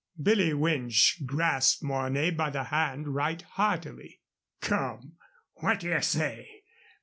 Billy Winch grasped Mornay by the hand right heartily. "Come, what d'ye say?